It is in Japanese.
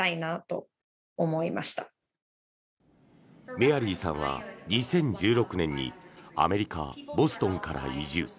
メアリーさんは２０１６年にアメリカ・ボストンから移住。